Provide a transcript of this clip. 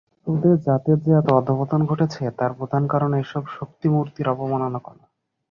তোদের জাতের যে এত অধঃপতন ঘটেছে, তার প্রধান কারণ এইসব শক্তিমূর্তির অবমাননা করা।